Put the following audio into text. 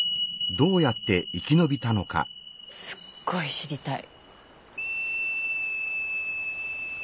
すっごい知りたい。